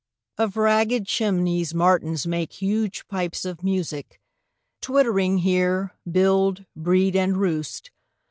3. Of ragged chimneys martins make Huge pipes of music; twittering here Build, breed, and roost.